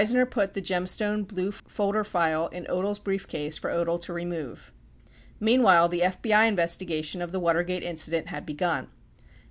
Reisner put the Gemstone blue folder file in Odle's briefcase for Odle to remove. 72 Meanwhile the FBI investigation of the Watergate incident had begun.